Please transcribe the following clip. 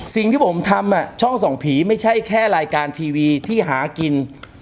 สิ่งที่ผมทำช่องส่องผีไม่ใช่แค่รายการทีวีที่หากิน